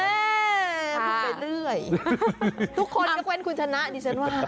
พูดไปเรื่อยทุกคนยกเว้นคุณชนะดิฉันว่า